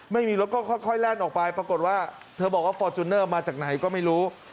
ไม่มีรถก็ค่อยแล่นออกไปปรากฏว่าเธอบอกว่าฟอร์จูเนอร์มาจากไหนก็ไม่รู้